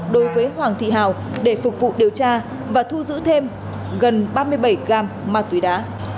đối với hoàng thị hào để phục vụ điều tra và thu giữ thêm gần ba mươi bảy gam ma túy đá